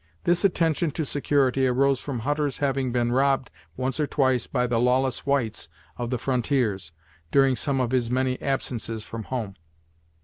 This attention to security arose from Hutter's having been robbed once or twice by the lawless whites of the frontiers, during some of his many absences from home.